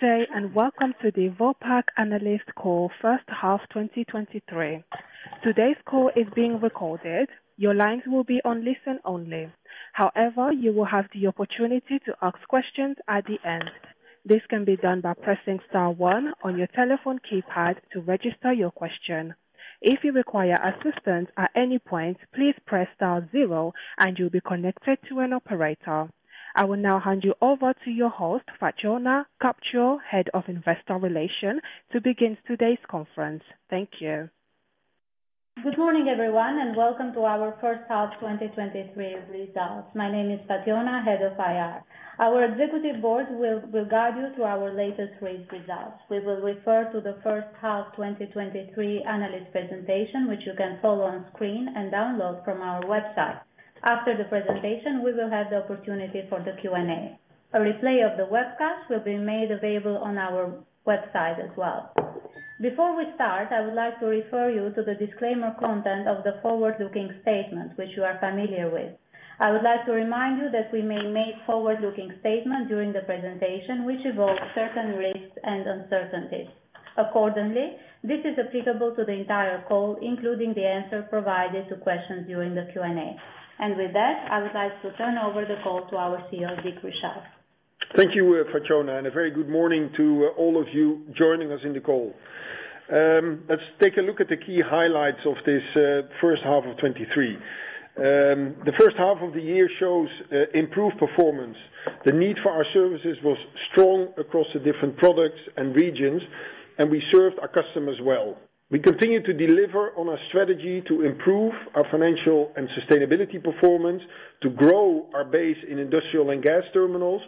Good day, and welcome to the Vopak Analyst Call, first half 2023. Today's call is being recorded. Your lines will be on listen only. However, you will have the opportunity to ask questions at the end. This can be done by pressing star one on your telephone keypad to register your question. If you require assistance at any point, please press star zero and you'll be connected to an operator. I will now hand you over to your host, Fatjona Topciu, Head of Investor Relations, to begin today's conference. Thank you. Good morning, everyone, welcome to our first half 2023 results. My name is Fatjona, Head of IR. Our Executive Board will guide you through our latest race results. We will refer to the first half 2023 analyst presentation, which you can follow on screen and download from our website. After the presentation, we will have the opportunity for the Q&A. A replay of the webcast will be made available on our website as well. Before we start, I would like to refer you to the disclaimer content of the forward-looking statement, which you are familiar with. I would like to remind you that we may make forward-looking statements during the presentation, which involve certain risks and uncertainties. Accordingly, this is applicable to the entire call, including the answers provided to questions during the Q&A. With that, I would like to turn over the call to our CEO, Dlck Richelle. Thank you, Fatjona. A very good morning to all of you joining us in the call. Let's take a look at the key highlights of this first half of 2023. The first half of the year shows improved performance. The need for our services was strong across the different products and regions, and we served our customers well. We continued to deliver on our strategy to improve our financial and sustainability performance, to grow our base in industrial and gas terminals,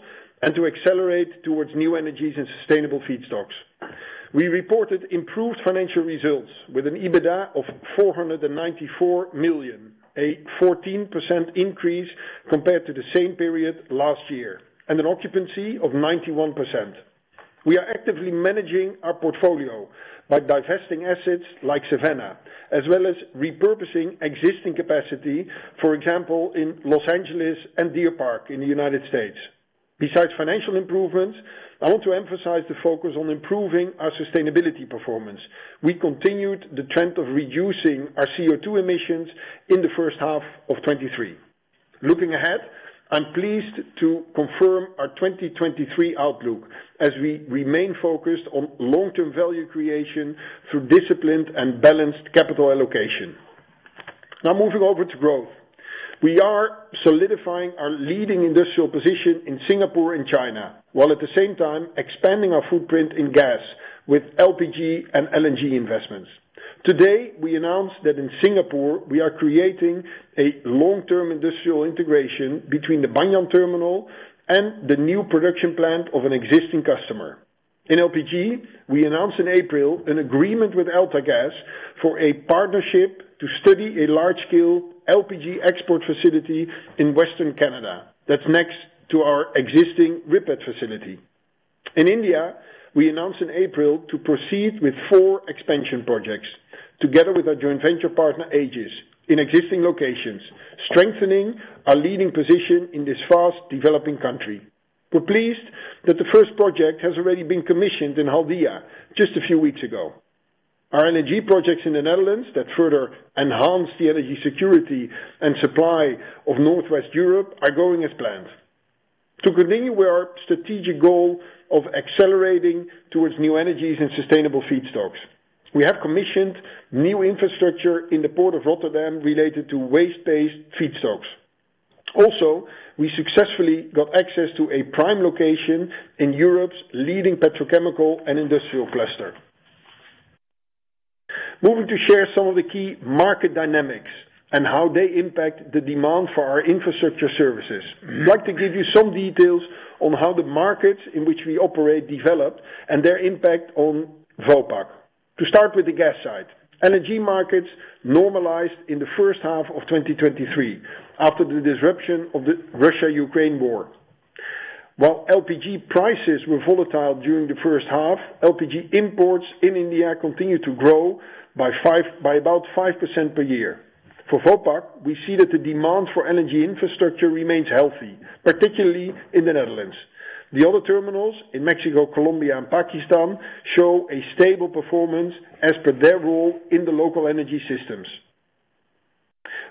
and to accelerate towards new energies and sustainable feedstocks. We reported improved financial results with an EBITDA of 494 million, a 14% increase compared to the same period last year, and an occupancy of 91%. We are actively managing our portfolio by divesting assets like Savannah, as well as repurposing existing capacity, for example, in Los Angeles and Deer Park in the United States. Besides financial improvements, I want to emphasize the focus on improving our sustainability performance. We continued the trend of reducing our CO2 emissions in the first half of 2023. Looking ahead, I'm pleased to confirm our 2023 outlook as we remain focused on long-term value creation through disciplined and balanced capital allocation. Moving over to growth. We are solidifying our leading industrial position in Singapore and China, while at the same time expanding our footprint in gas with LPG and LNG investments. Today, we announced that in Singapore we are creating a long-term industrial integration between the Banyan Terminal and the new production plant of an existing customer. In LPG, we announced in April an agreement with AltaGas for a partnership to study a large-scale LPG export facility in Western Canada, that's next to our existing RIPET facility. In India, we announced in April to proceed with four expansion projects, together with our joint venture partner, Aegis, in existing locations, strengthening our leading position in this fast-developing country. We're pleased that the first project has already been commissioned in Haldia just a few weeks ago. Our LNG projects in the Netherlands that further enhance the energy security and supply of Northwest Europe are going as planned. To continue with our strategic goal of accelerating towards new energies and sustainable feedstocks, we have commissioned new infrastructure in the port of Rotterdam related to waste-based feedstocks. Also, we successfully got access to a prime location in Europe's leading petrochemical and industrial cluster. Moving to share some of the key market dynamics and how they impact the demand for our infrastructure services. I'd like to give you some details on how the markets in which we operate developed and their impact on Vopak. To start with the gas side, LNG markets normalized in the first half of 2023 after the disruption of the Russia-Ukraine war. While LPG prices were volatile during the first half, LPG imports in India continued to grow by about 5% per year. For Vopak, we see that the demand for energy infrastructure remains healthy, particularly in the Netherlands. The other terminals in Mexico, Colombia, and Pakistan show a stable performance as per their role in the local energy systems.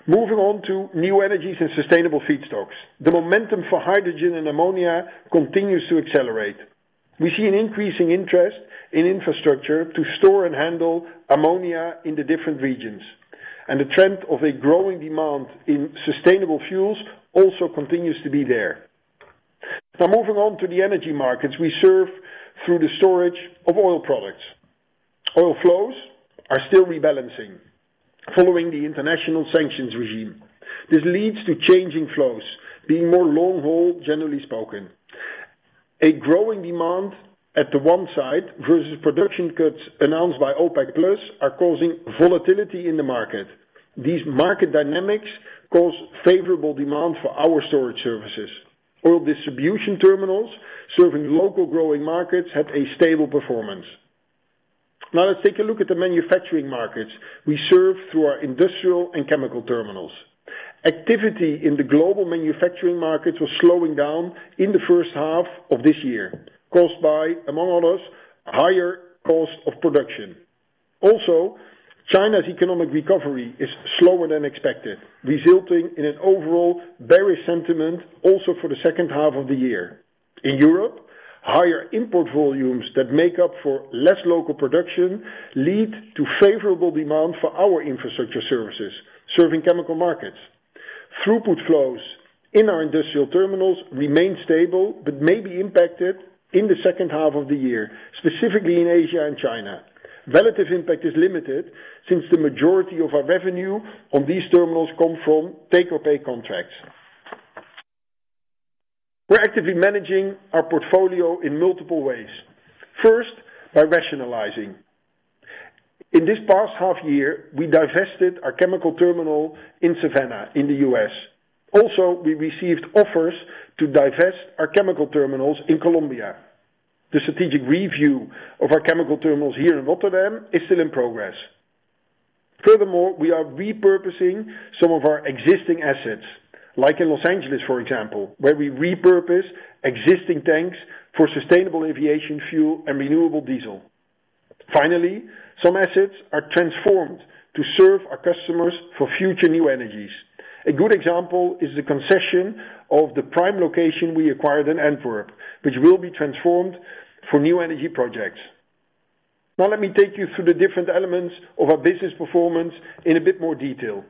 Moving on to new energies and sustainable feedstocks. The momentum for hydrogen and ammonia continues to accelerate. We see an increasing interest in infrastructure to store and handle ammonia in the different regions. The trend of a growing demand in sustainable fuels also continues to be there. Moving on to the energy markets we serve through the storage of oil products. Oil flows are still rebalancing following the international sanctions regime. This leads to changing flows being more long haul, generally spoken. A growing demand at the one side versus production cuts announced by OPEC+ are causing volatility in the market. These market dynamics cause favorable demand for our storage services. Oil distribution terminals serving local growing markets had a stable performance. Let's take a look at the manufacturing markets we serve through our industrial and chemical terminals. Activity in the global manufacturing markets was slowing down in the first half of this year, caused by, among others, higher cost of production. China's economic recovery is slower than expected, resulting in an overall bearish sentiment also for the second half of the year. In Europe, higher import volumes that make up for less local production lead to favorable demand for our infrastructure services, serving chemical markets. Throughput flows in our industrial terminals remain stable, may be impacted in the second half of the year, specifically in Asia and China. Relative impact is limited since the majority of our revenue on these terminals come from take-or-pay contracts. We're actively managing our portfolio in multiple ways. First, by rationalizing. In this past half year, we divested our chemical terminal in Savannah, in the U.S. We received offers to divest our chemical terminals in Colombia. The strategic review of our chemical terminals here in Rotterdam is still in progress. Furthermore, we are repurposing some of our existing assets, like in Los Angeles, for example, where we repurpose existing tanks for sustainable aviation fuel and renewable diesel. Finally, some assets are transformed to serve our customers for future New Energies. A good example is the concession of the prime location we acquired in Antwerp, which will be transformed for new energy projects. Let me take you through the different elements of our business performance in a bit more detail.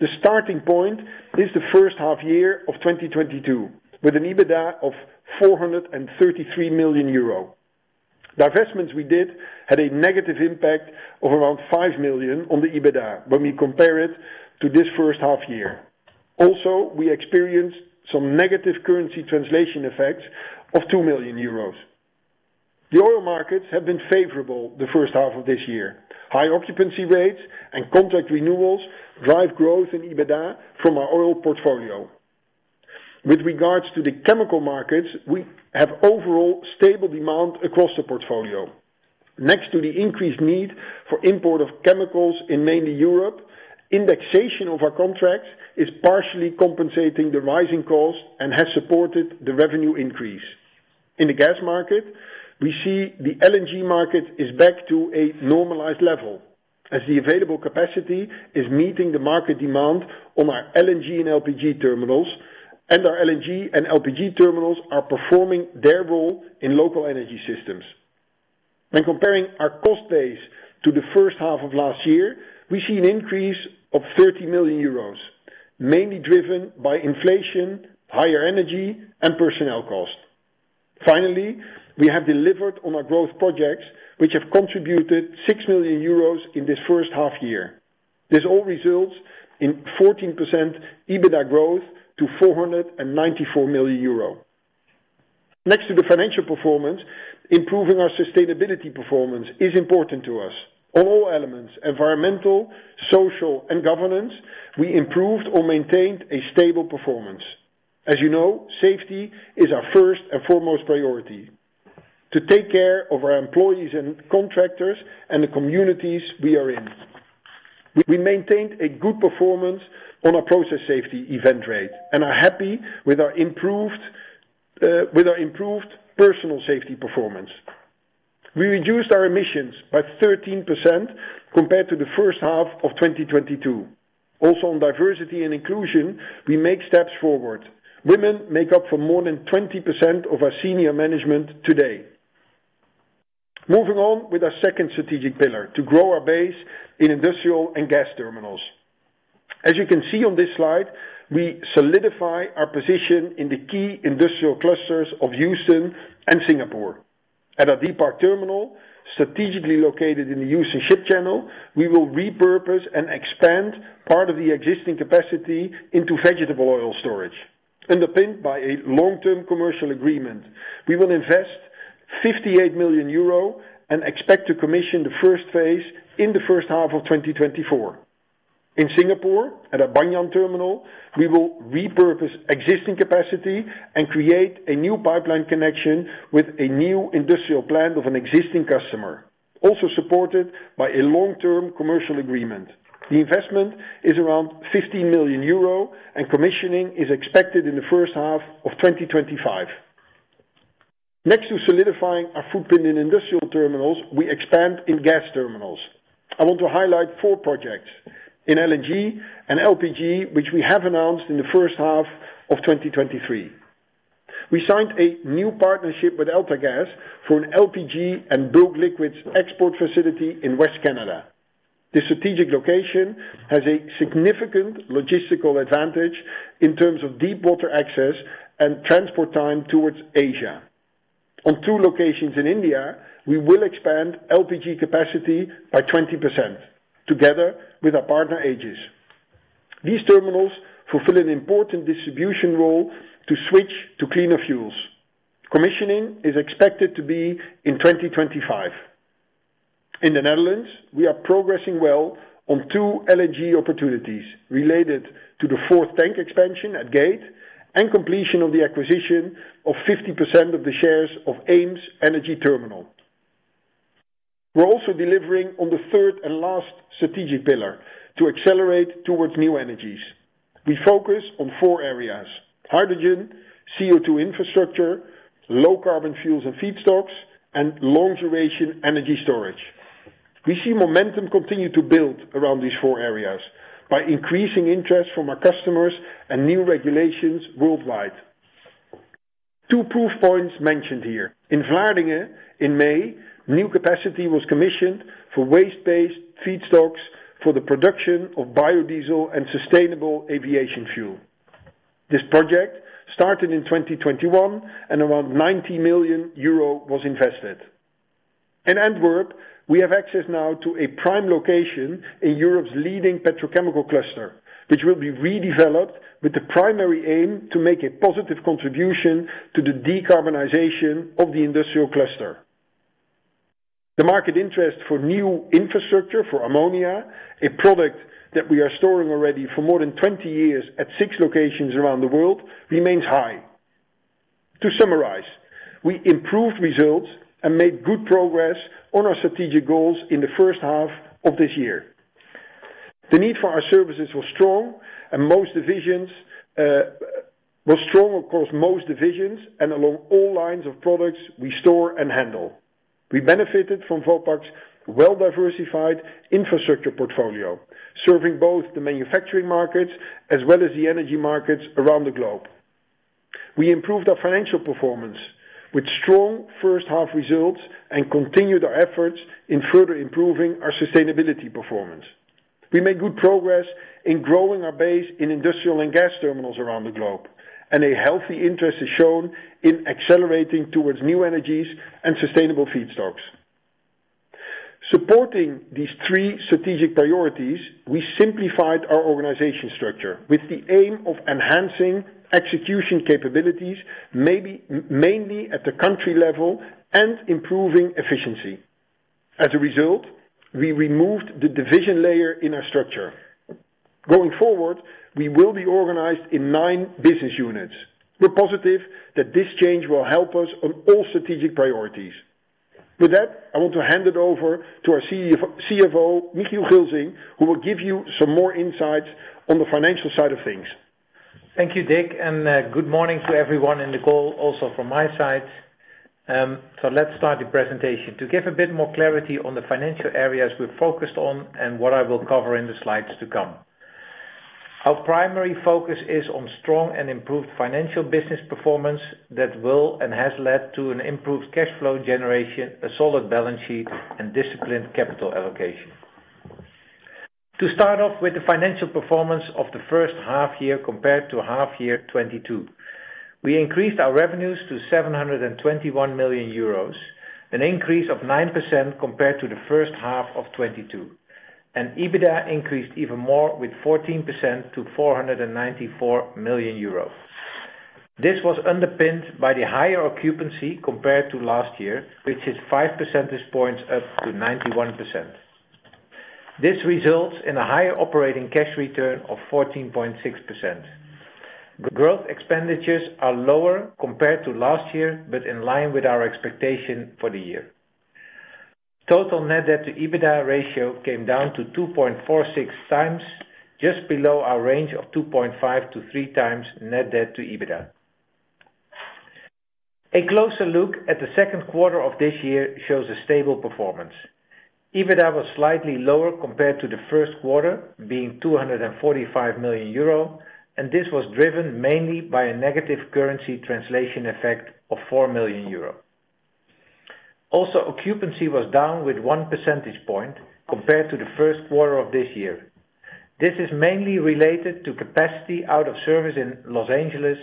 The starting point is the first half year of 2022, with an EBITDA of 433 million euro. Divestments we did had a negative impact of around 5 million on the EBITDA when we compare it to this first half year. We experienced some negative currency translation effects of 2 million euros. The oil markets have been favorable the first half of this year. High occupancy rates and contract renewals drive growth in EBITDA from our oil portfolio. With regards to the chemical markets, we have overall stable demand across the portfolio. Next to the increased need for import of chemicals in mainly Europe, indexation of our contracts is partially compensating the rising cost and has supported the revenue increase. In the gas market, we see the LNG market is back to a normalized level as the available capacity is meeting the market demand on our LNG and LPG terminals, and our LNG and LPG terminals are performing their role in local energy systems. When comparing our cost base to the first half of last year, we see an increase of 30 million euros, mainly driven by inflation, higher energy, and personnel cost. Finally, we have delivered on our growth projects, which have contributed 6 million euros in this first half year. This all results in 14% EBITDA growth to 494 million euro. Next to the financial performance, improving our sustainability performance is important to us. All elements, Environmental, Social, and Governance, we improved or maintained a stable performance. As you know, safety is our first and foremost priority, to take care of our employees and contractors and the communities we are in. We maintained a good performance on our Process Safety Event Rate and are happy with our improved, with our improved personal safety performance. We reduced our emissions by 13% compared to the first half of 2022. Also, on Diversity and Inclusion, we make steps forward. Women make up for more than 20% of our senior management today. Moving on with our second strategic pillar, to grow our base in Industrial & Gas terminals. As you can see on this slide, we solidify our position in the key industrial clusters of Houston and Singapore. At our Deer Park terminal, strategically located in the Houston Ship Channel, we will repurpose and expand part of the existing capacity into vegetable oil storage, underpinned by a long-term commercial agreement. We will invest 58 million euro and expect to commission the first phase in H1 2024. In Singapore, at our Banyan Terminal, we will repurpose existing capacity and create a new pipeline connection with a new industrial plant of an existing customer, also supported by a long-term commercial agreement. The investment is around 15 million euro, and commissioning is expected in H1 2025. Next to solidifying our footprint in industrial terminals, we expand in gas terminals. I want to highlight four projects in LNG and LPG, which we have announced in the first half of 2023. We signed a new partnership with AltaGas for an LPG and bulk liquids export facility in West Canada. This strategic location has a significant logistical advantage in terms of deep water access and transport time towards Asia. On two locations in India, we will expand LPG capacity by 20% together with our partner, Aegis. These terminals fulfill an important distribution role to switch to cleaner fuels. Commissioning is expected to be in 2025. In the Netherlands, we are progressing well on two LNG opportunities related to the fourth tank expansion at Gate and completion of the acquisition of 50% of the shares of Eems Energy Terminal. We're also delivering on the third and last strategic pillar to accelerate towards New Energies. We focus on four areas: hydrogen, CO2 infrastructure, low-carbon fuels and feedstocks, and long-duration energy storage. We see momentum continue to build around these four areas by increasing interest from our customers and new regulations worldwide. Two proof points mentioned here. In Vlaardingen, in May, new capacity was commissioned for waste-based feedstocks for the production of biodiesel and sustainable aviation fuel. This project started in 2021, and around 90 million euro was invested. In Antwerp, we have access now to a prime location in Europe's leading petrochemical cluster, which will be redeveloped with the primary aim to make a positive contribution to the decarbonisation of the industrial cluster. The market interest for new infrastructure for ammonia, a product that we are storing already for more than 20 years at six locations around the world, remains high. To summarize, we improved results and made good progress on our strategic goals in the first half of this year. The need for our services was strong, and most divisions, was strong across most divisions and along all lines of products we store and handle. We benefited from Vopak's well-diversified infrastructure portfolio, serving both the manufacturing markets as well as the energy markets around the globe. We improved our financial performance with strong first half results and continued our efforts in further improving our sustainability performance. We made good progress in growing our base in Industrial & Gas terminals around the globe, a healthy interest is shown in accelerating towards new energies and sustainable feedstocks. Supporting these three strategic priorities, we simplified our organization structure with the aim of enhancing execution capabilities, maybe, mainly at the country level and improving efficiency. As a result, we removed the division layer in our structure. Going forward, we will be organized in nine business units. We're positive that this change will help us on all strategic priorities. With that, I want to hand it over to our CEO and CFO, Michiel Gilsing, who will give you some more insights on the financial side of things Thank you, Dlck, good morning to everyone in the call, also from my side. Let's start the presentation. To give a bit more clarity on the financial areas we're focused on and what I will cover in the slides to come. Our primary focus is on strong and improved financial business performance that will and has led to an improved cash flow generation, a solid balance sheet, and disciplined capital allocation. To start off with the financial performance of the first half year compared to half year 2022, we increased our revenues to 721 million euros, an increase of 9% compared to the first half of 2022, and EBITDA increased even more with 14% to 494 million euros. This was underpinned by the higher occupancy compared to last year, which is 5 percentage points up to 91%. This results in a higher operating cash return of 14.6%. The growth expenditures are lower compared to last year, but in line with our expectation for the year. Total Net Debt to EBITDA ratio came down to 2.46x, just below our range of 2.5x-3.0x Net Debt to EBITDA. A closer look at the Q2 2023 shows a stable performance. EBITDA was slightly lower compared to the Q1, being 245 million euro, this was driven mainly by a negative currency translation effect of 4 million euro. Occupancy was down with one percentage point compared to the Q1 of this year. This is mainly related to capacity out of service in Los Angeles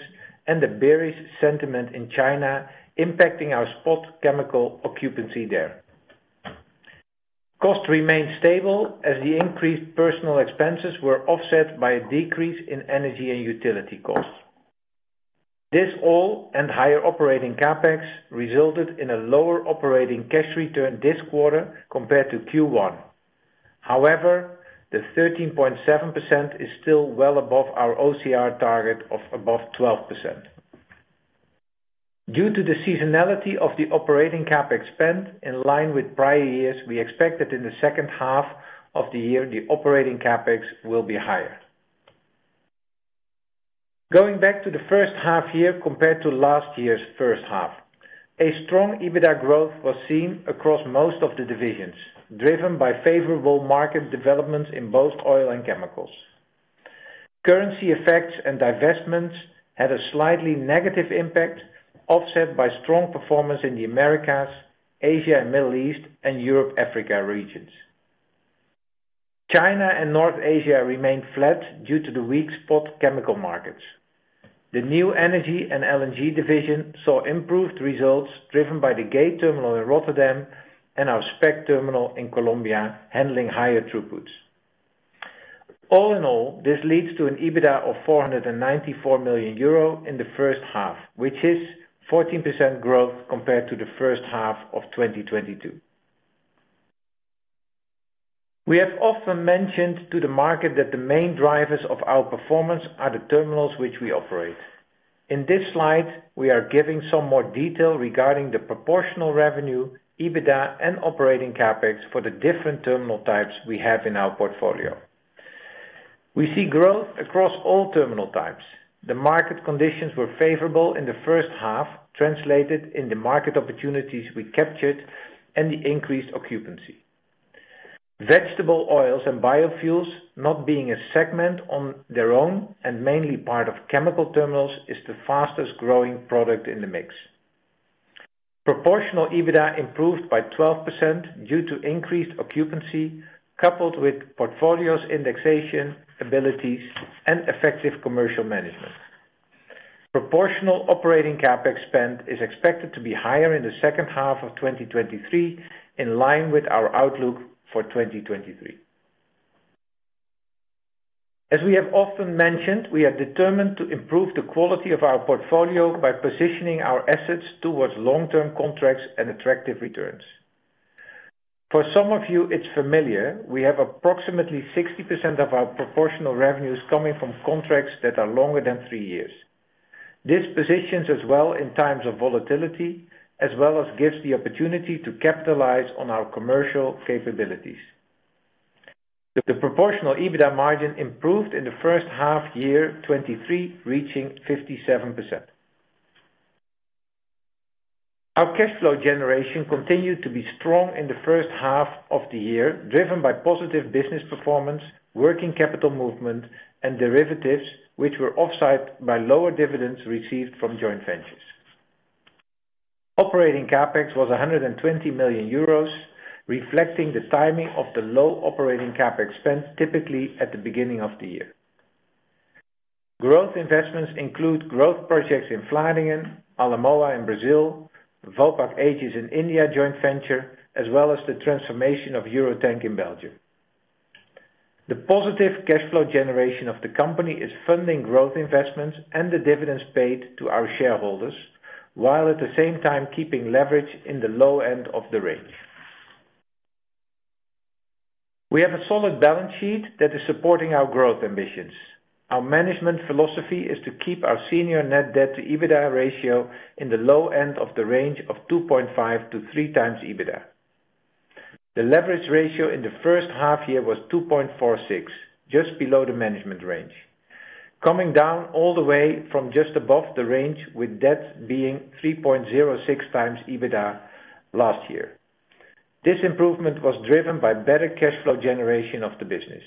and the bearish sentiment in China, impacting our spot chemical occupancy there. Cost remained stable as the increased personal expenses were offset by a decrease in energy and utility costs. This all and higher operating CapEx resulted in a lower operating cash return this quarter compared to Q1. The 13.7% is still well above our OCR target of above 12%. Due to the seasonality of the operating CapEx spend, in line with prior years, we expect that in the second half of the year, the operating CapEx will be higher. Going back to the first half year compared to last year's first half, a strong EBITDA growth was seen across most of the divisions, driven by favorable market developments in both oil and chemicals. Currency effects and divestments had a slightly negative impact, offset by strong performance in the Americas, Asia and Middle East, and Europe, Africa regions. China and North Asia remained flat due to the weak spot chemical markets. The New Energies and LNG division saw improved results driven by the Gate terminal in Rotterdam and our spec terminal in Colombia, handling higher throughputs. All in all, this leads to an EBITDA of 494 million euro in the first half, which is 14% growth compared to the first half of 2022. We have often mentioned to the market that the main drivers of our performance are the terminals which we operate. In this slide, we are giving some more detail regarding the proportional revenue, EBITDA, and operating CapEx for the different terminal types we have in our portfolio. We see growth across all terminal types. The market conditions were favorable in the first half, translated in the market opportunities we captured and the increased occupancy. Vegetable oils and biofuels, not being a segment on their own and mainly part of chemical terminals, is the fastest growing product in the mix. Proportional EBITDA improved by 12% due to increased occupancy, coupled with portfolio's indexation abilities and effective commercial management. Proportional operating CapEx spend is expected to be higher in the second half of 2023, in line with our outlook for 2023. As we have often mentioned, we are determined to improve the quality of our portfolio by positioning our assets towards long-term contracts and attractive returns. For some of you, it's familiar, we have approximately 60% of our proportional revenues coming from contracts that are longer than three years. This positions us well in times of volatility, as well as gives the opportunity to capitalize on our commercial capabilities. The proportional EBITDA margin improved in the first half year 2023, reaching 57%. Our cash flow generation continued to be strong in the first half of the year, driven by positive business performance, working capital movement, and derivatives, which were offset by lower dividends received from joint ventures. Operating CapEx was 120 million euros, reflecting the timing of the low operating CapEx spend, typically at the beginning of the year. Growth investments include growth projects in Vlaardingen, Alamoa in Brazil, Vopak Aegis in India joint venture, as well as the transformation of Eurotank in Belgium. The positive cash flow generation of the company is funding growth investments and the dividends paid to our shareholders, while at the same time keeping leverage in the low end of the range. We have a solid balance sheet that is supporting our growth ambitions. Our management philosophy is to keep our senior Net Debt to EBITDA ratio in the low end of the range of 2.5 to 3 times EBITDA. The leverage ratio in the first half year was 2.46, just below the management range, coming down all the way from just above the range, with debt being 3.06 times EBITDA last year. This improvement was driven by better cash flow generation of the business.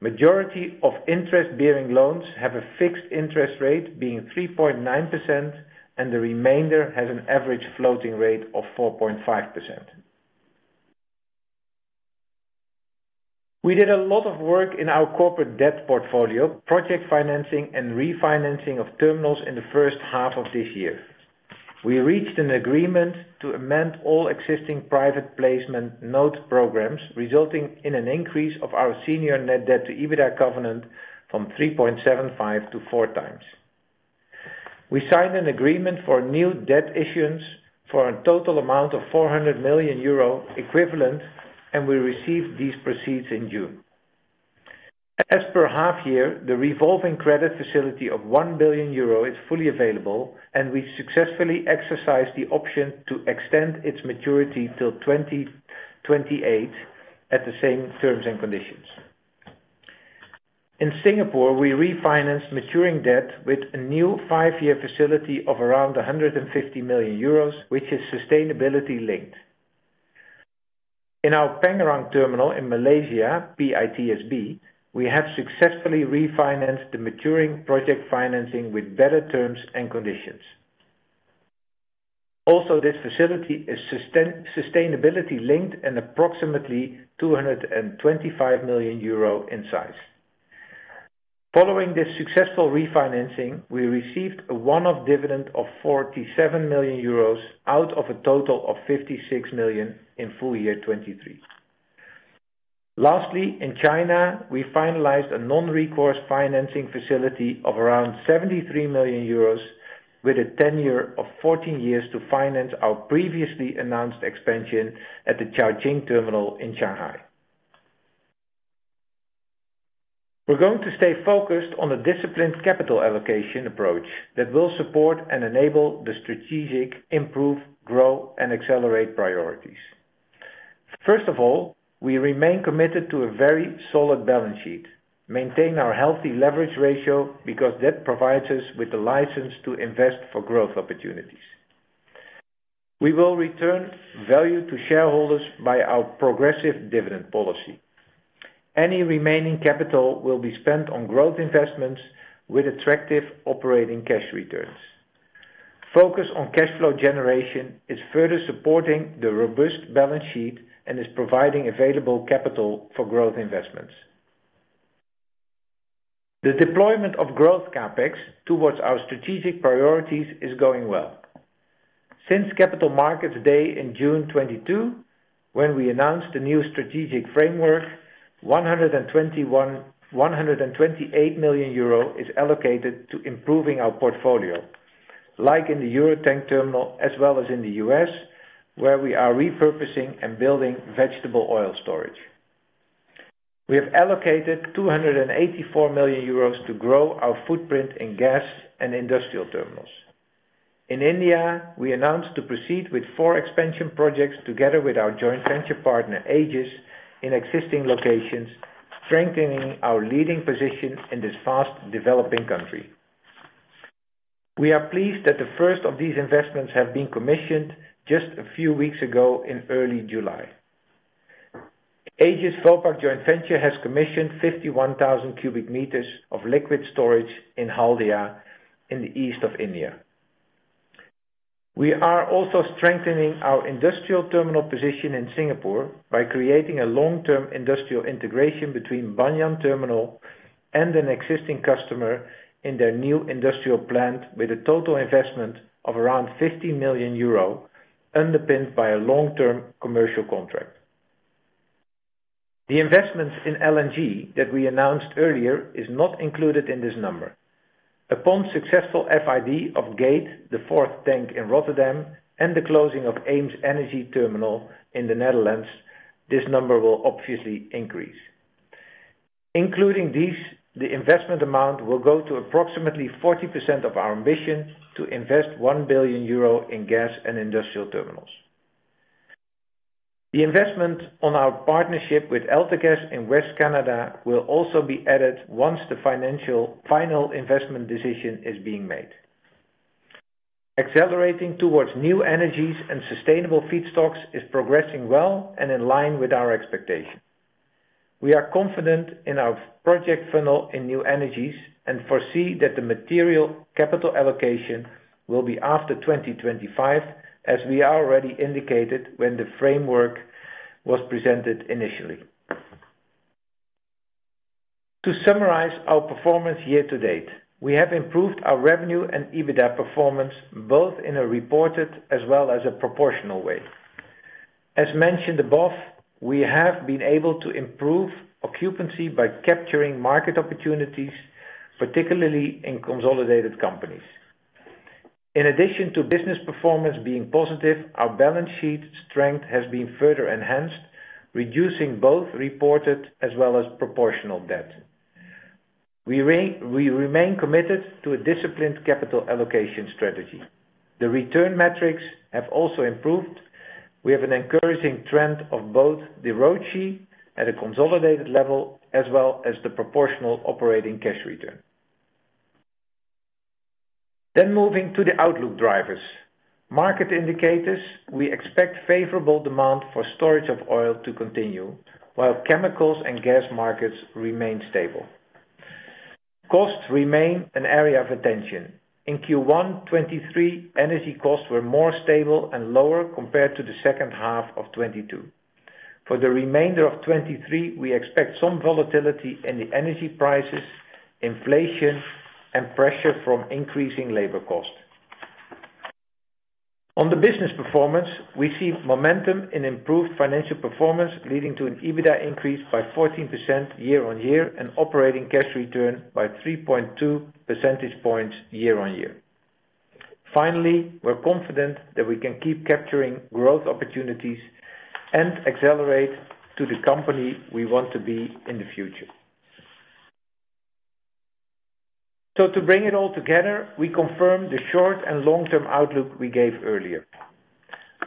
Majority of interest-bearing loans have a fixed interest rate being 3.9%, and the remainder has an average floating rate of 4.5%. We did a lot of work in our corporate debt portfolio, project financing, and refinancing of terminals in the first half of this year. We reached an agreement to amend all existing private placement note programs, resulting in an increase of our senior net debt to EBITDA covenant from 3.75 to 4 times. We signed an agreement for new debt issuance for a total amount of 400 million euro equivalent, and we received these proceeds in June. As per half year, the revolving credit facility of 1 billion euro is fully available, and we successfully exercised the option to extend its maturity till 2028 at the same terms and conditions. In Singapore, we refinanced maturing debt with a new five-year facility of around 150 million euros, which is sustainability-linked. In our Pengerang terminal in Malaysia, PITSB, we have successfully refinanced the maturing project financing with better terms and conditions. Also, this facility is sustainability-linked and approximately 225 million euro in size. Following this successful refinancing, we received a one-off dividend of 47 million euros, out of a total of 56 million in full year 2023. Lastly, in China, we finalized a non-recourse financing facility of around 73 million euros, with a tenure of 14 years to finance our previously announced expansion at the Chaojing terminal in Shanghai. We're going to stay focused on a disciplined capital allocation approach that will support and enable the strategic, improve, grow, and accelerate priorities. First of all, we remain committed to a very solid balance sheet, maintain our healthy leverage ratio, because that provides us with the license to invest for growth opportunities. We will return value to shareholders by our progressive dividend policy. Any remaining capital will be spent on growth investments with attractive operating cash returns. Focus on cash flow generation is further supporting the robust balance sheet and is providing available capital for growth investments. The deployment of growth CapEx towards our strategic priorities is going well. Since Capital Markets Day in June 2022, when we announced the new strategic framework, 128 million euro is allocated to improving our portfolio... like in the Eurotank terminal, as well as in the U.S., where we are repurposing and building vegetable oil storage. We have allocated 284 million euros to grow our footprint in gas and industrial terminals. In India, we announced to proceed with four expansion projects together with our joint venture partner, Aegis, in existing locations, strengthening our leading position in this fast-developing country. We are pleased that the first of these investments have been commissioned just a few weeks ago in early July. Aegis Vopak joint venture has commissioned 51,000 cubic meters of liquid storage in Haldia, in the east of India. We are also strengthening our industrial terminal position in Singapore by creating a long-term industrial integration between Banyan Terminal and an existing customer in their new industrial plant, with a total investment of around 50 million euro, underpinned by a long-term commercial contract. The investments in LNG that we announced earlier is not included in this number. Upon successful FID of Gate, the fourth tank in Rotterdam, and the closing of EemsEnergyTerminal in the Netherlands, this number will obviously increase. Including these, the investment amount will go to approximately 40% of our ambition to invest 1 billion euro in gas and industrial terminals. The investment on our partnership with AltaGas in Western Canada will also be added once the financial final investment decision is being made. Accelerating towards new energies and sustainable feedstocks is progressing well and in line with our expectations. We are confident in our project funnel in New Energies, and foresee that the material capital allocation will be after 2025, as we already indicated when the framework was presented initially. To summarize our performance year to date, we have improved our revenue and EBITDA performance, both in a reported as well as a proportional way. As mentioned above, we have been able to improve occupancy by capturing market opportunities, particularly in consolidated companies. In addition to business performance being positive, our balance sheet strength has been further enhanced, reducing both reported as well as proportional debt. We remain committed to a disciplined capital allocation strategy. The return metrics have also improved. We have an encouraging trend of both the ROCE at a consolidated level as well as the proportional operating cash return. Moving to the outlook drivers. Market indicators, we expect favorable demand for storage of oil to continue, while chemical markets and gas markets remain stable. Costs remain an area of attention. In first quarter 2023, energy costs were more stable and lower compared to the second half of 2022. For the remainder of 2023, we expect some volatility in the energy prices, inflation, and pressure from increasing labor costs. On the business performance, we see momentum in improved financial performance, leading to an EBITDA increase by 14% year-on-year and operating cash return by 3.2 percentage points year-on-year. Finally, we're confident that we can keep capturing growth opportunities and accelerate to the company we want to be in the future. To bring it all together, we confirm the short and long-term outlook we gave earlier.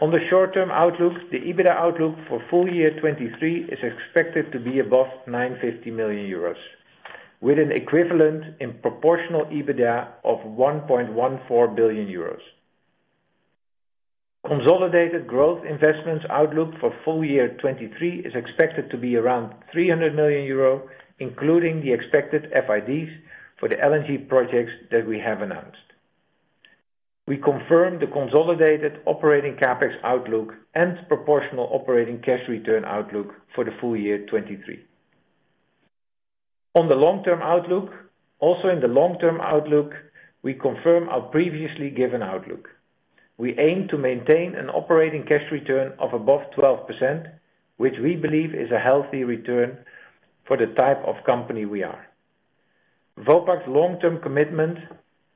On the short-term outlook, the EBITDA outlook for full year 2023 is expected to be above 950 million euros, with an equivalent in proportional EBITDA of 1.14 billion euros. Consolidated growth investments outlook for full year 2023 is expected to be around 300 million euro, including the expected FIDs for the LNG projects that we have announced. We confirm the consolidated operating CapEx outlook and proportional operating cash return outlook for the full year 2023. On the long-term outlook, also in the long-term outlook, we confirm our previously given outlook. We aim to maintain an operating cash return of above 12%, which we believe is a healthy return for the type of company we are. Vopak's long-term commitment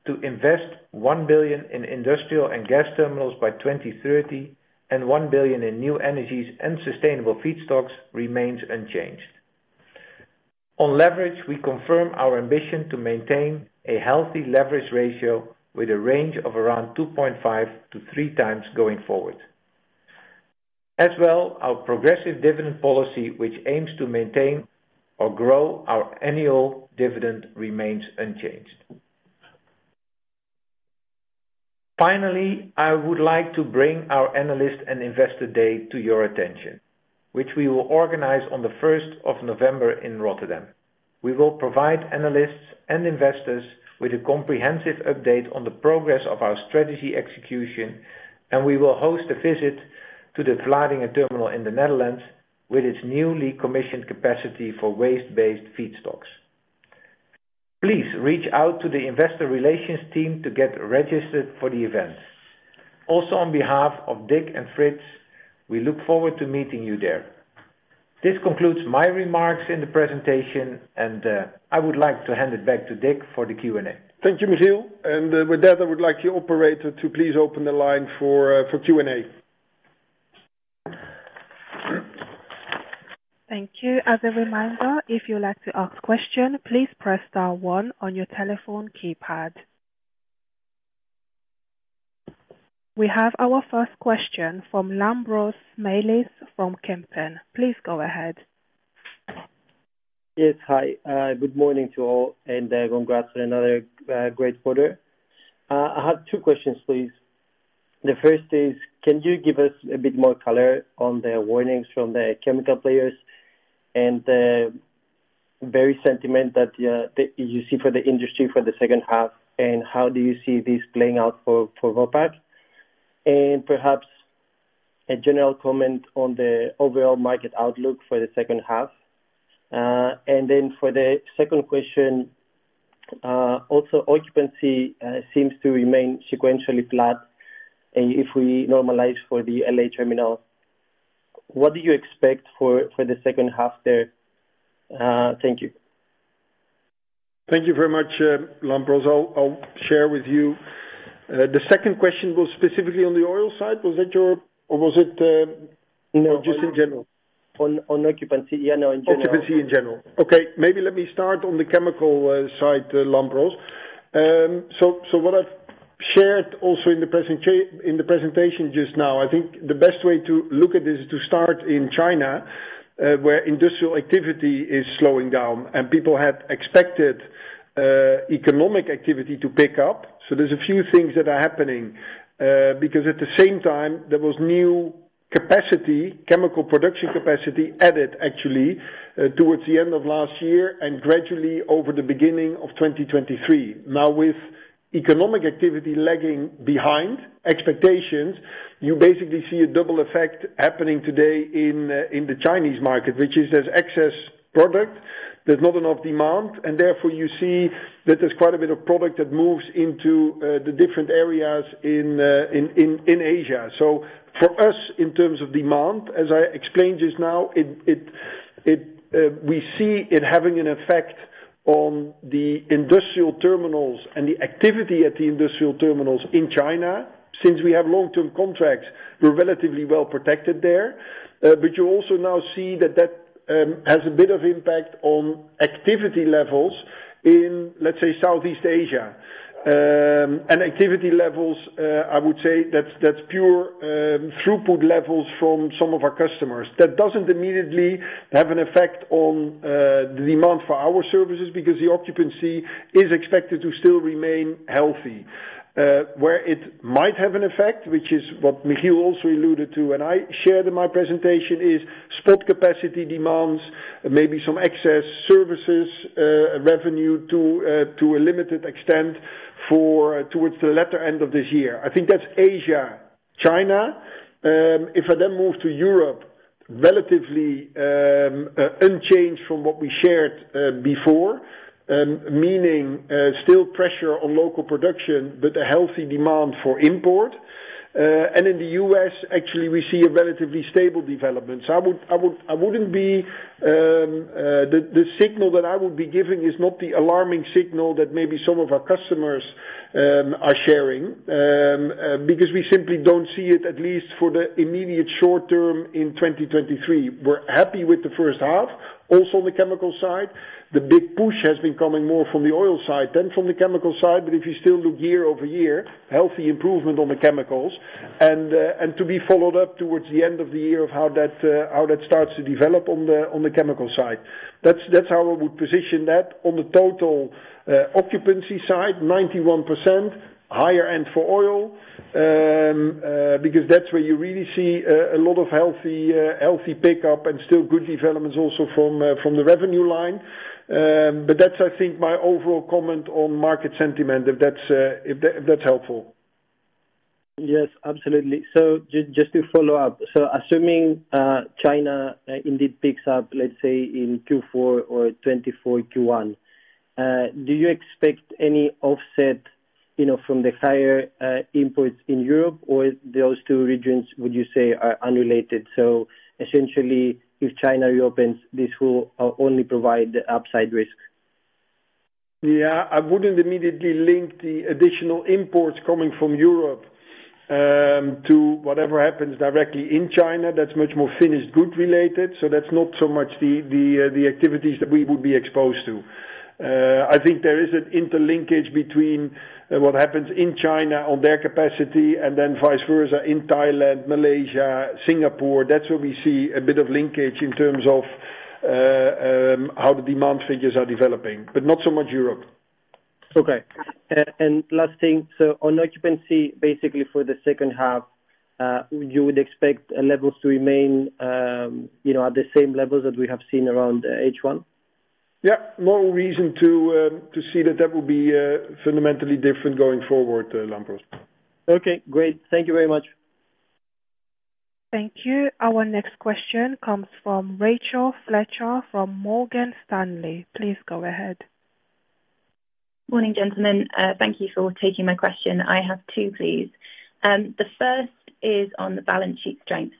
to invest 1 billion in Industrial & Gas terminals by 2030 and 1 billion in new energies and sustainable feedstocks remains unchanged. On leverage, we confirm our ambition to maintain a healthy leverage ratio with a range of around 2.5x-3.0x going forward. Our progressive dividend policy, which aims to maintain or grow our annual dividend, remains unchanged. I would like to bring our Analyst and Investor Day to your attention, which we will organize on the 1st of November in Rotterdam. We will provide analysts and investors with a comprehensive update on the progress of our strategy execution, and we will host a visit to the Vlaardingen terminal in the Netherlands with its newly commissioned capacity for waste-based feedstocks. Please reach out to the investor relations team to get registered for the events. On behalf of Dlck and Frits, we look forward to meeting you there. This concludes my remarks in the presentation, and I would like to hand it back to Dck for the Q&A. Thank you, Michiel. With that, I would like the operator to please open the line for, for Q&A. Thank you. As a reminder, if you'd like to ask question, please press star one on your telephone keypad. We have our first question from Lambros Malis, from Kempen. Please go ahead. Yes. Hi. good morning to all, and congrats on another great quarter. I have two questions, please. The first is, can you give us a bit more color on the warnings from the chemical players and the very sentiment that you see for the industry for the second half, and how do you see this playing out for, for Vopak? Perhaps a general comment on the overall market outlook for the second half. Then for the second question, also, occupancy seems to remain sequentially flat, and if we normalize for the L.A. terminal, what do you expect for, for the second half there? Thank you. Thank you very much, Lambros. I'll share with you. The second question was specifically on the oil side. Was that your... Or was it, no, just in general? On, on occupancy, yeah, no, in general. Occupancy in general. Okay, maybe let me start on the chemical side, Lambros. So, so what I've shared also in the presentation just now, I think the best way to look at this is to start in China, where industrial activity is slowing down and people had expected economic activity to pick up. So there's a few things that are happening, because at the same time, there was new capacity, chemical production capacity, added actually, towards the end of last year and gradually over the beginning of 2023. Now, with economic activity lagging behind expectations, you basically see a double effect happening today in the Chinese market, which is there's excess product, there's not enough demand, and therefore, you see that there's quite a bit of product that moves into the different areas in Asia. For us, in terms of demand, as I explained just now, it, we see it having an effect on the industrial terminals and the activity at the industrial terminals in China. Since we have long-term contracts, we're relatively well protected there. You also now see that that has a bit of impact on activity levels in, let's say, Southeast Asia. Activity levels, I would say that's, that's pure, throughput levels from some of our customers. That doesn't immediately have an effect on the demand for our services, because the occupancy is expected to still remain healthy. Where it might have an effect, which is what Michiel also alluded to, and I shared in my presentation, is spot capacity demands, maybe some excess services, revenue to a limited extent for, towards the latter end of this year. I think that's Asia, China. If I then move to Europe, relatively unchanged from what we shared before, meaning still pressure on local production, but a healthy demand for import. In the US, actually, we see a relatively stable development. I wouldn't be the signal that I would be giving is not the alarming signal that maybe some of our customers are sharing because we simply don't see it, at least for the immediate short term in 2023. We're happy with the first half. The chemical side. The big push has been coming more from the oil side than from the chemical side, but if you still look year-over-year, healthy improvement on the chemicals. To be followed up towards the end of the year of how that how that starts to develop on the chemical side. That's how I would position that. On the total occupancy side, 91%, higher end for oil, because that's where you really see a lot of healthy, healthy pickup and still good developments also from the revenue line. That's, I think, my overall comment on market sentiment, if that's helpful. Yes, absolutely. Just to follow up, assuming China indeed picks up, let's say, in Q4 or 2024 Q1, do you expect any offset, you know, from the higher imports in Europe, or those two regions, would you say, are unrelated? Essentially, if China reopens, this will only provide the upside risk. I wouldn't immediately link the additional imports coming from Europe, to whatever happens directly in China. That's much more finished good related, so that's not so much the, the activities that we would be exposed to. I think there is an interlinkage between what happens in China on their capacity and then vice versa, in Thailand, Malaysia, Singapore. That's where we see a bit of linkage in terms of how the demand figures are developing, but not so much Europe. Okay. last thing, so on occupancy, basically for the second half, you would expect levels to remain, you know, at the same levels that we have seen around H1? Yeah. No reason to, to see that that would be fundamentally different going forward, Lambros. Okay, great. Thank you very much. Thank you. Our next question comes from Rachel Fletcher, from Morgan Stanley. Please go ahead. Morning, gentlemen. Thank you for taking my question. I have two, please. The first is on the balance sheet strength.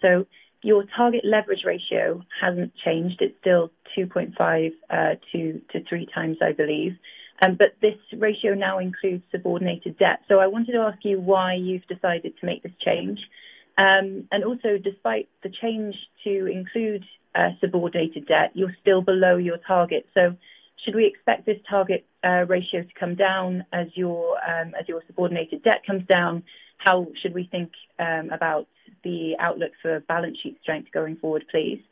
Your target leverage ratio hasn't changed, it's still 2.5-3.0x, I believe. This ratio now includes subordinated debt. I wanted to ask you why you've decided to make this change. Also, despite the change to include subordinated debt, you're still below your target. Should we expect this target ratio to come down as your subordinated debt comes down? How should we think about the outlook for balance sheet strength going forward, please?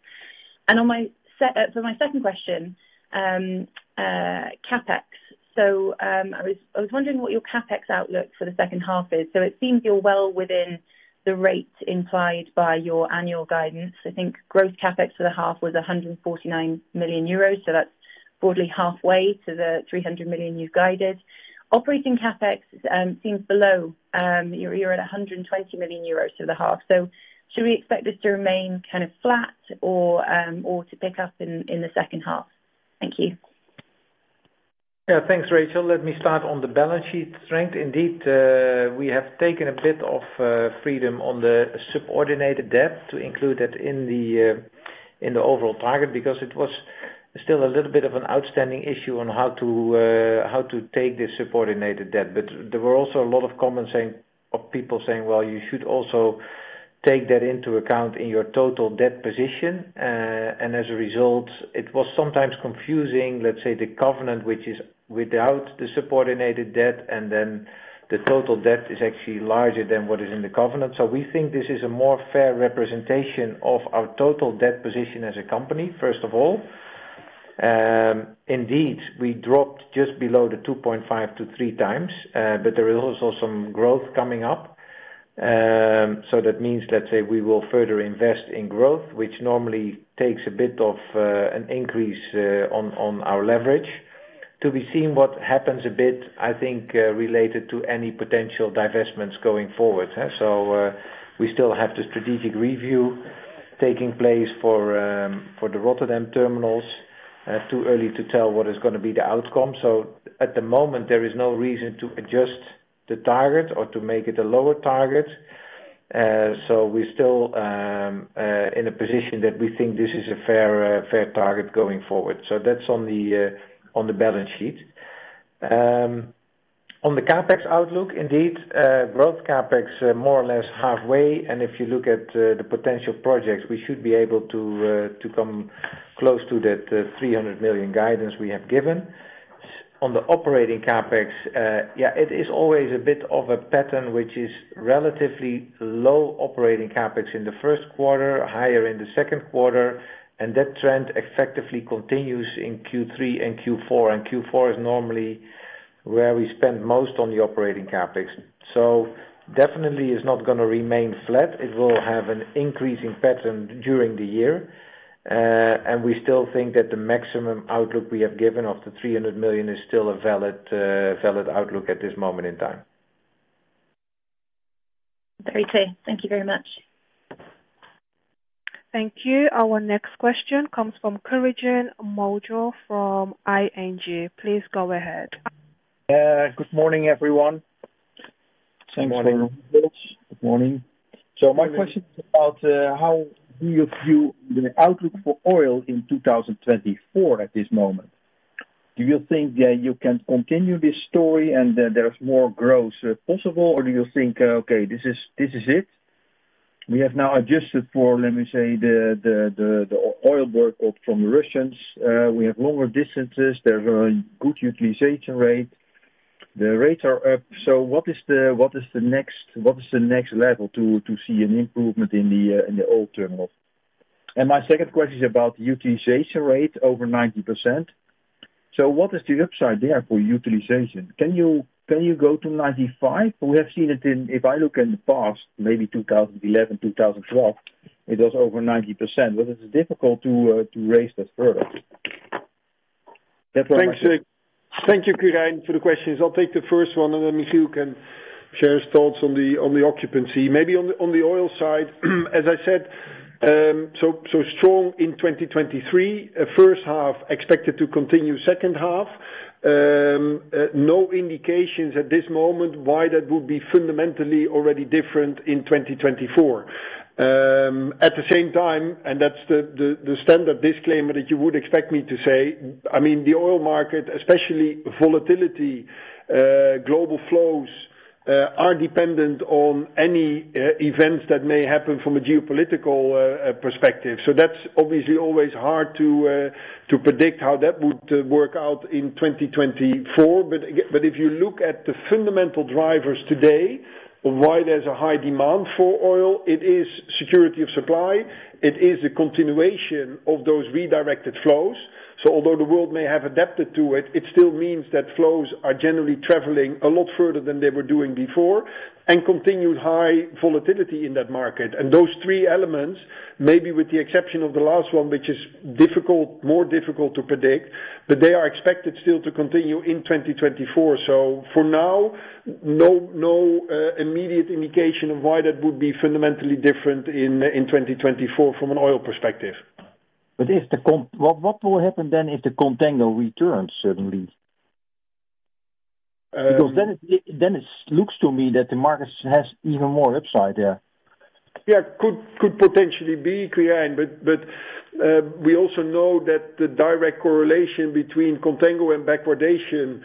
On my second question, CapEx. I was wondering what your CapEx outlook for the second half is. It seems you're well within the rate implied by your annual guidance. I think Growth CapEx for the half was 149 million euros, so that's broadly halfway to the 300 million you've guided. Operating CapEx seems below, you're at 120 million euros for the half. Should we expect this to remain kind of flat or to pick up in the second half? Thank you. Yeah, thanks, Richelle. Let me start on the balance sheet strength. Indeed, we have taken a bit of freedom on the subordinated debt to include that in the overall target, because it was still a little bit of an outstanding issue on how to take this subordinated debt. There were also a lot of comments saying, of people saying, "Well, you should also take that into account in your total debt position." As a result, it was sometimes confusing, let's say, the covenant, which is without the subordinated debt, and then the total debt is actually larger than what is in the covenant. We think this is a more fair representation of our total debt position as a company, first of all. Indeed, we dropped just below the 2.5x-3.0x, there is also some growth coming up. That means, let's say, we will further invest in growth, which normally takes a bit of an increase on our leverage. To be seen what happens a bit, I think, related to any potential divestments going forward. We still have the strategic review taking place for the Rotterdam terminals. Too early to tell what is gonna be the outcome. At the moment, there is no reason to adjust the target or to make it a lower target. We're still in a position that we think this is a fair fair target going forward. That's on the balance sheet. On the CapEx outlook, indeed, growth CapEx are more or less halfway, and if you look at the potential projects, we should be able to come close to that 300 million guidance we have given. On the operating CapEx, it is always a bit of a pattern, which is relatively low operating CapEx in the first quarter, higher in the second quarter, and that trend effectively continues in Q3 and Q4. Q4 is normally where we spend most on the operating CapEx. Definitely it's not gonna remain flat. It will have an increasing pattern during the year. We still think that the maximum outlook we have given of the 300 million is still a valid outlook at this moment in time. Very clear. Thank you very much. Thank you. Our next question comes from Quirijn Mulder from ING. Please go ahead. Good morning, everyone. Good morning. Good morning. My question is about, how do you view the outlook for oil in 2024 at this moment? Do you think that you can continue this story and then there is more growth possible, or do you think, "Okay, this is, this is it?" We have now adjusted for, let me say, the oil work from the Russians. We have lower distances, there are good utilization rate. The rates are up. What is the next level to see an improvement in the oil terminals? My second question is about utilization rate over 90%. What is the upside there for utilization? Can you go to 95%? We have seen it in... If I look in the past, maybe 2011, 2012, it was over 90%, but it's difficult to raise that further. Thanks. Thank you, Quirijn, for the questions. I'll take the first one, and then Michiel can share his thoughts on the occupancy. Maybe on the oil side, as I said, so strong in 2023. First half expected to continue second half. No indications at this moment why that would be fundamentally already different in 2024. At the same time, and that's the standard disclaimer that you would expect me to say, I mean, the oil market, especially volatility, global flows, are dependent on any events that may happen from a geopolitical perspective. That's obviously always hard to predict how that would work out in 2024. But if you look at the fundamental drivers today, why there's a high demand for oil, it is security of supply, it is a continuation of those redirected flows. Although the world may have adapted to it, it still means that flows are generally traveling a lot further than they were doing before, and continued high volatility in that market. Those three elements, maybe with the exception of the last one, which is difficult, more difficult to predict, but they are expected still to continue in 2024. For now, no, no immediate indication of why that would be fundamentally different in, in 2024 from an oil perspective. What will happen then if the contango returns suddenly? Then it looks to me that the markets has even more upside there. Yeah, could potentially be, Quirine, but we also know that the direct correlation between contango and backwardation,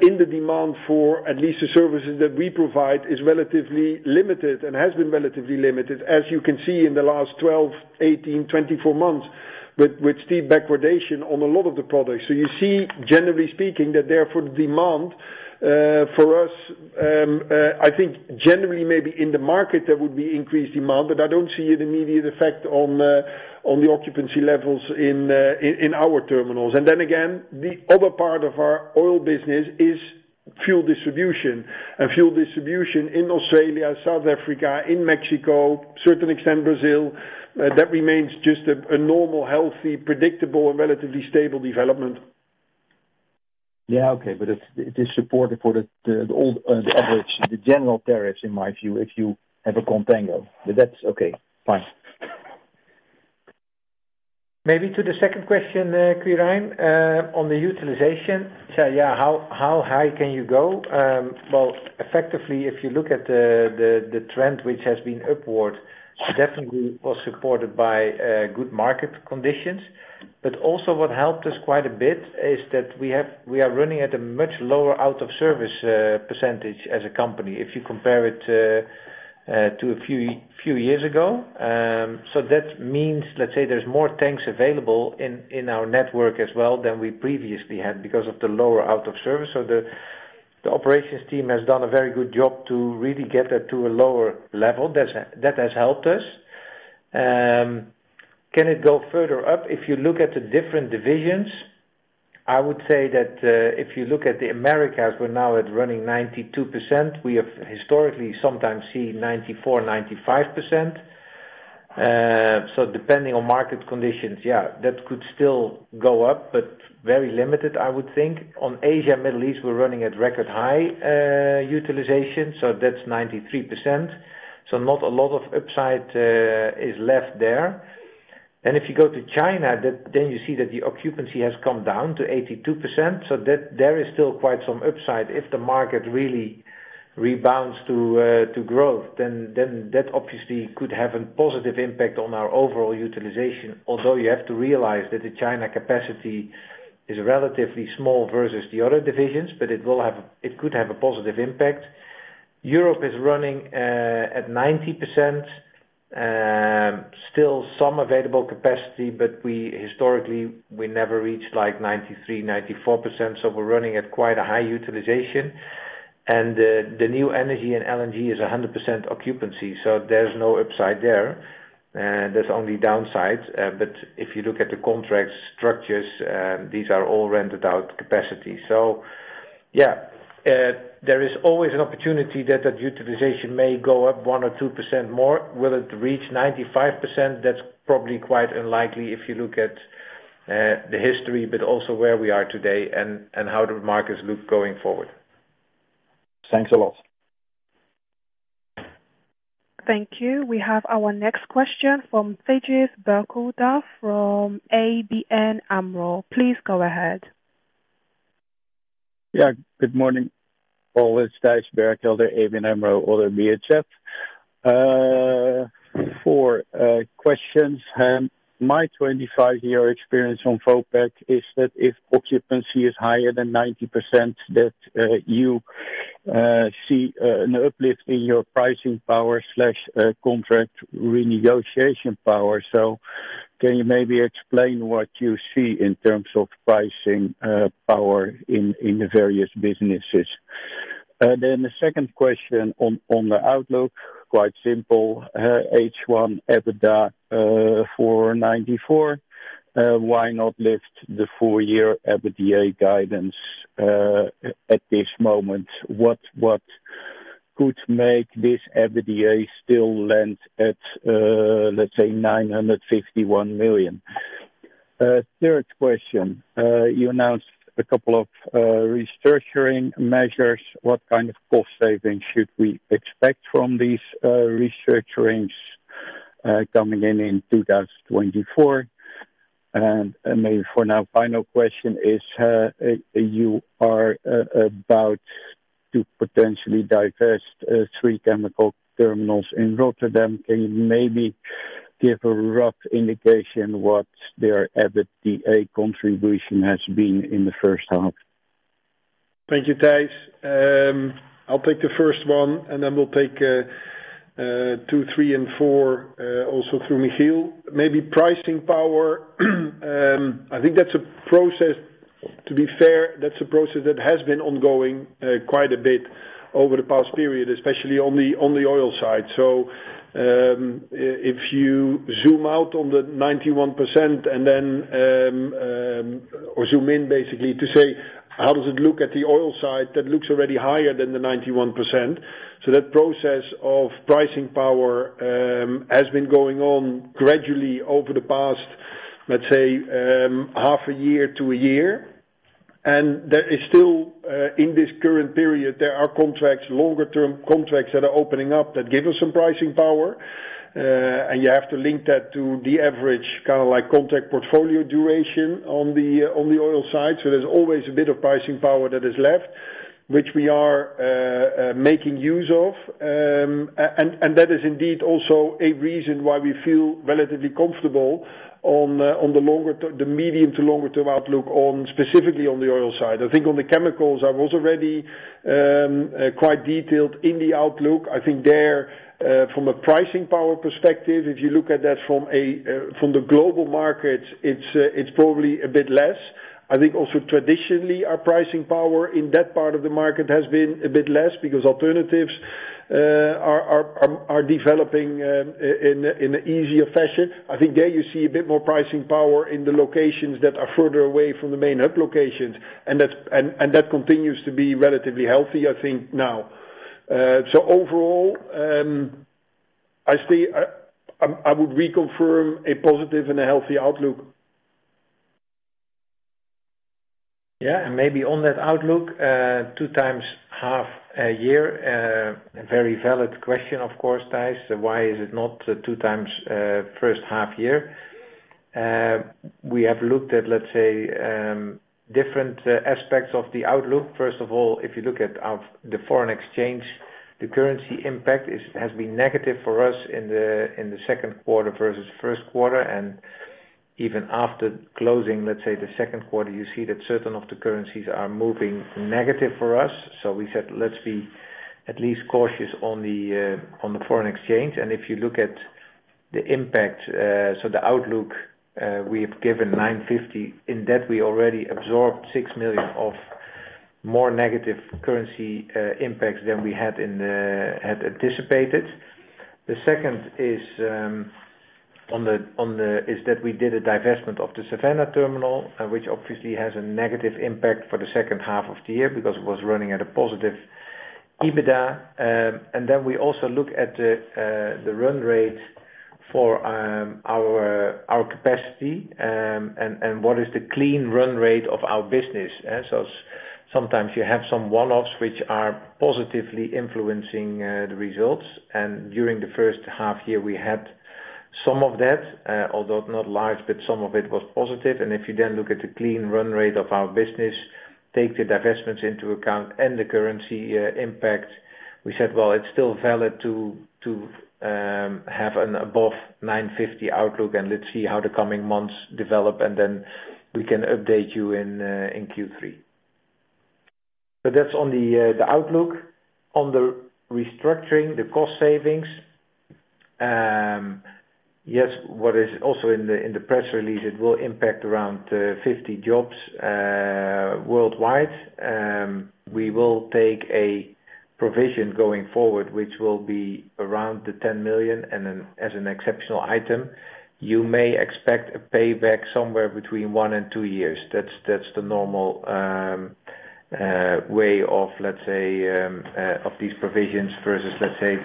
in the demand for at least the services that we provide, is relatively limited and has been relatively limited, as you can see in the last 12, 18, 24 months, with steep backwardation on a lot of the products. You see, generally speaking, that therefore the demand for us, I think generally maybe in the market there would be increased demand, but I don't see an immediate effect on the occupancy levels in our terminals. Then again, the other part of our oil business is fuel distribution. Fuel distribution in Australia, South Africa, in Mexico, certain extent, Brazil, that remains just a normal, healthy, predictable, and relatively stable development. Yeah, okay. It's, it is supportive for the, the old, the average, the general tariffs, in my view, if you have a contango. That's okay, fine. Maybe to the second question, Quirine, on the utilization. Yeah, how, how high can you go? Well, effectively, if you look at the, the, the trend, which has been upward, definitely was supported by good market conditions. Also what helped us quite a bit is that we are running at a much lower out-of-service percentage as a company, if you compare it to a few years ago. That means, let's say, there's more tanks available in, in our network as well than we previously had because of the lower out-of-service. The, the operations team has done a very good job to really get that to a lower level. That has helped us. Can it go further up? If you look at the different divisions, I would say that, if you look at the Americas, we're now at running 92%. We have historically sometimes seen 94%-95%. So depending on market conditions, yeah, that could still go up, but very limited, I would think. On Asia and Middle East, we're running at record high utilization, so that's 93%. Not a lot of upside is left there. If you go to China, then you see that the occupancy has come down to 82%, so that there is still quite some upside. If the market really rebounds to growth, then that obviously could have a positive impact on our overall utilization. You have to realize that the China capacity is relatively small versus the other divisions, but it will have, it could have a positive impact. Europe is running at 90%. Still some available capacity, but we historically, we never reached, like, 93%-94%, so we're running at quite a high utilization. The New Energies in LNG is 100% occupancy, so there's no upside there, there's only downsides. If you look at the contract structures, these are all rented out capacity. Yeah, there is always an opportunity that that utilization may go up 1% or 2% more. Will it reach 95%? That's probably quite unlikely if you look at the history, but also where we are today and how the markets look going forward. Thanks a lot. Thank you. We have our next question from Thijs Berkelder from ABN AMRO. Please go ahead. Yeah, good morning. All is Thijs Berkelder, ABN AMRO, or VHF. Four questions. My 25-year experience on Vopak is that if occupancy is higher than 90%, that you see an uplift in your pricing power slash contract renegotiation power. Can you maybe explain what you see in terms of pricing power in, in the various businesses? The second question on the outlook, quite simple. H1 EBITDA, 494 million, why not lift the four-year EBITDA guidance at this moment? What, what could make this EBITDA still land at, let's say, 951 million? Third question. You announced a couple of restructuring measures. What kind of cost savings should we expect from these restructurings coming in in 2024? Maybe for now, final question is, you are about to potentially divest three chemical terminals in Rotterdam. Can you maybe give a rough indication what their EBITDA contribution has been in the first half? Thank you, Thijs. I'll take the first one, and then we'll take two, three, and four also through Michiel. Maybe pricing power, I think that's a process, to be fair, that's a process that has been ongoing quite a bit over the past period, especially on the oil side. If you zoom out on the 91% and then or zoom in, basically, to say, how does it look at the oil side? That looks already higher than the 91%. That process of pricing power has been going on gradually over the past, let's say, half a year to a year. There is still, in this current period, there are contracts, longer term contracts, that are opening up that give us some pricing power. You have to link that to the average, kind of like, contract portfolio duration on the oil side. There's always a bit of pricing power that is left, which we are making use of. That is indeed also a reason why we feel relatively comfortable on the medium to longer term outlook on, specifically on the oil side. On the chemicals, I was already quite detailed in the outlook. There, from a pricing power perspective, if you look at that from a global market, it's probably a bit less. Also traditionally, our pricing power in that part of the market has been a bit less because alternatives are developing in an easier fashion. I think there you see a bit more pricing power in the locations that are further away from the main hub locations, and that's, and, and that continues to be relatively healthy, I think, now. Overall, I see, I, I'm, I would reconfirm a positive and a healthy outlook. Yeah, maybe on that outlook, two times half a year, a very valid question, of course, Thijs. Why is it not two times first half year? We have looked at, let's say, different aspects of the outlook. First of all, if you look at of the foreign exchange, the currency impact has been negative for us in the second quarter versus first quarter, and even after closing, let's say, the second quarter, you see that certain of the currencies are moving negative for us. So we said, "Let's be at least cautious on the foreign exchange." If you look at the impact, so the outlook, we've given 950 million, in that we already absorbed 6 million of more negative currency impacts than we had in the, had anticipated. The second is, on the, is that we did a divestment of the Savannah terminal, which obviously has a negative impact for the second half of the year because it was running at a positive EBITDA. Then we also look at the run rate for our capacity and what is the clean run rate of our business. Sometimes you have some one-offs which are positively influencing the results, and during the first half year, we had some of that, although not large, but some of it was positive. If you then look at the clean run rate of our business, take the divestments into account and the currency impact, we said, "Well, it's still valid to, to have an above 950 outlook, and let's see how the coming months develop, and then we can update you in Q3." That's on the outlook. On the restructuring, the cost savings, yes, what is also in the press release, it will impact around 50 jobs worldwide. We will take a provision going forward, which will be around 10 million, and then as an exceptional item. You may expect a payback somewhere between one-two years. That's, that's the normal way of, let's say, of these provisions versus, let's say,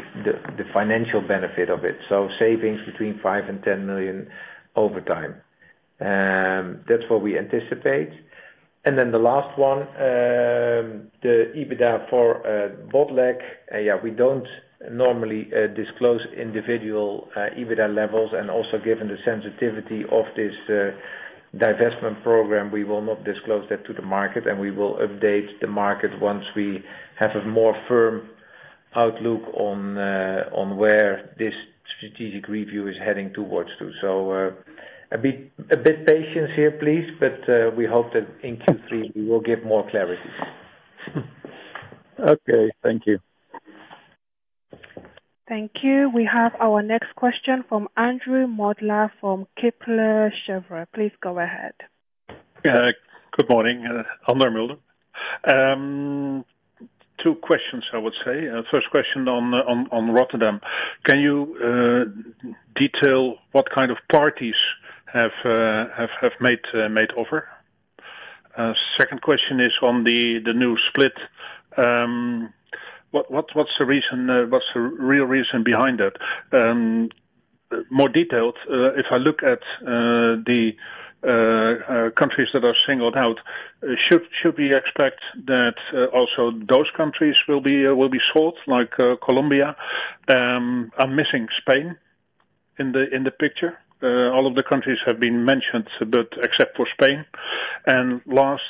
the financial benefit of it. Savings between 5 million and 10 million over time. That's what we anticipate. The last one, the EBITDA for Botlek, yeah, we don't normally disclose individual EBITDA levels, and also given the sensitivity of this divestment program, we will not disclose that to the market, and we will update the market once we have a more firm outlook on where this strategic review is heading towards to. A bit patience here, please, but we hope that in Q3 we will give more clarity. Okay. Thank you. Thank you. We have our next question from Andrew Mulder from Kepler Cheuvreux. Please go ahead. Good morning, Andrew Muld Two questions, I would say. First question on Rotterdam. Can you detail what kind of parties have made offer? Second question is on the new split. What's the reason, what's the real reason behind it? More details, if I look at the countries that are singled out, should we expect that also those countries will be sold, like Colombia? I'm missing Spain in the picture. All of the countries have been mentioned, except for Spain. Last,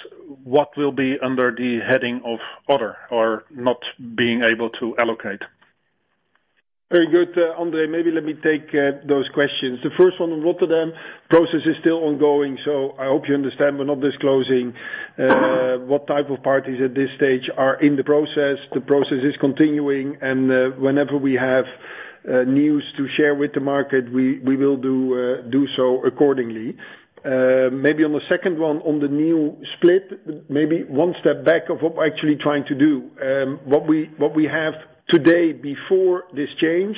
what will be under the heading of other or not being able to allocate? Very good, Andre. Maybe let me take those questions. The first one on Rotterdam, process is still ongoing, so I hope you understand we're not disclosing what type of parties at this stage are in the process. The process is continuing, and whenever we have news to share with the market, we, we will do so accordingly. Maybe on the second one, on the new split, maybe one step back of what we're actually trying to do. What we, what we have today, before this change,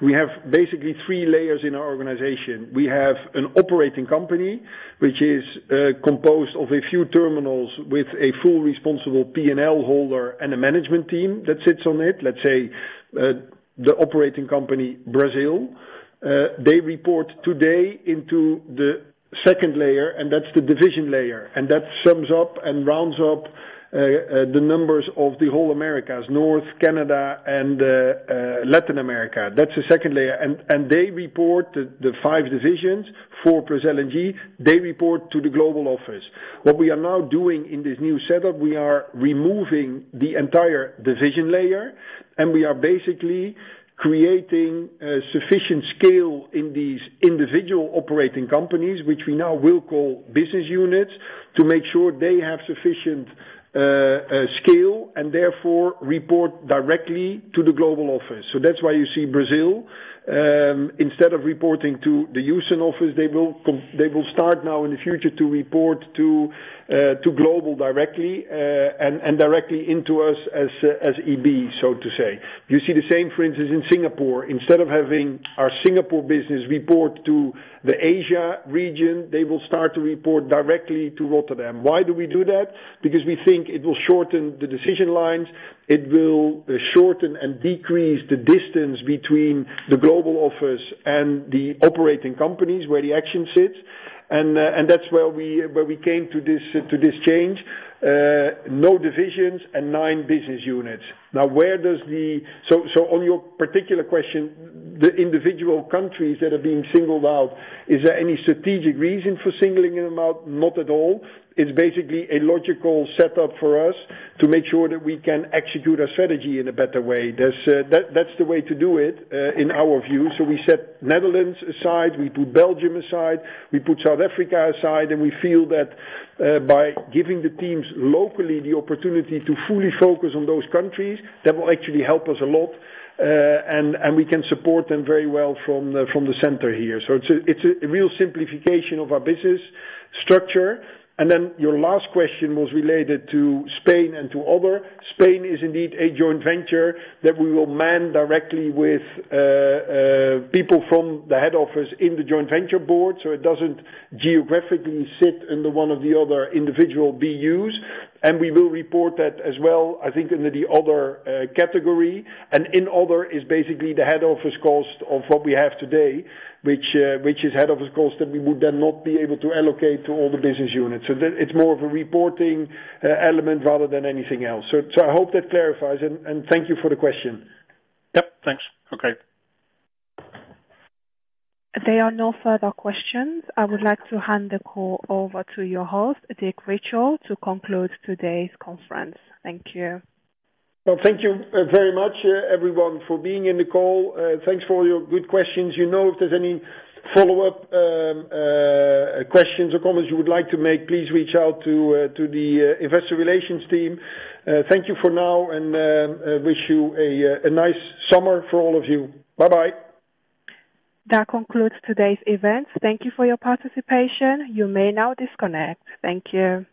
we have basically three layers in our organization. We have an operating company, which is composed of a few terminals with a full responsible P&L holder and a management team that sits on it, let's say, the operating company, Brazil. They report today into the second layer, and that's the division layer, and that sums up and rounds up the numbers of the whole Americas, North, Canada, and Latin America. That's the second layer. They report the five divisions, four plus LNG, they report to the global office. What we are now doing in this new setup, we are removing the entire division layer, and we are basically creating sufficient scale in these individual operating companies, which we now will call business units, to make sure they have sufficient scale, and therefore report directly to the global office. That's why you see Brazil, instead of reporting to the Houston office, they will they will start now in the future to report to global directly, and directly into us as EB, so to say. You see the same, for instance, in Singapore. Instead of having our Singapore business report to the Asia region, they will start to report directly to Rotterdam. Why do we do that? Because we think it will shorten the decision lines, it will shorten and decrease the distance between the global office and the operating companies, where the action sits, and that's where we, where we came to this change. No divisions and nine business units. Now, where does the so on your particular question, the individual countries that are being singled out, is there any strategic reason for singling them out? Not at all. It's basically a logical setup for us to make sure that we can execute our strategy in a better way. That's the way to do it, in our view. We set Netherlands aside, we put Belgium aside, we put South Africa aside, and we feel that, by giving the teams locally the opportunity to fully focus on those countries, that will actually help us a lot. And we can support them very well from the center here. It's a real simplification of our business structure. Then your last question was related to Spain and to other. Spain is indeed a joint venture that we will man directly with people from the head office in the joint venture board, so it doesn't geographically sit under one of the other individual BUs. We will report that as well, I think, under the other category. In other, is basically the head office cost of what we have today, which is head office cost, that we would then not be able to allocate to all the business units. It's more of a reporting element rather than anything else. I hope that clarifies, and thank you for the question. Yep, thanks. Okay. There are no further questions. I would like to hand the call over to your host, Dick Richelle, to conclude today's Conference. Thank you. Well, thank you very much, everyone, for being in the call. Thanks for all your good questions. You know, if there's any follow-up questions or comments you would like to make, please reach out to the Investor Relations team. Thank you for now, and I wish you a nice summer for all of you. Bye-bye. That concludes today's event. Thank you for your participation. You may now disconnect. Thank you.